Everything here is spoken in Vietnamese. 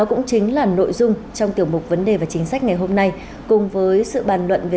câu chuyện sẽ có trong vấn đề và chính sách ngay sau đây